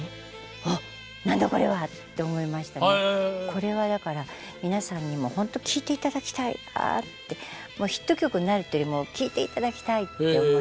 これはだから皆さんにもほんと聴いて頂きたいってヒット曲になるっていうよりも聴いて頂きたいって思いましたね。